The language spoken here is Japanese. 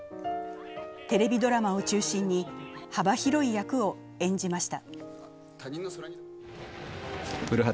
テレビドラマを中心に幅広い役を演じました。